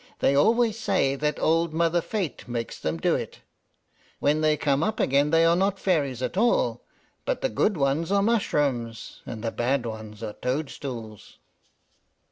They always say that old Mother Fate makes them do it. When they come up again, they are not fairies at all, but the good ones are mushrooms, and the bad ones are toadstools."